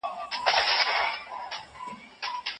زما پلار بشير رضي الله عنه ماته يوشی هبه کړ.